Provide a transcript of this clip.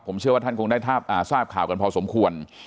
ผมเชื่อว่าท่านคงได้ทราบข่าวกันพอสมควร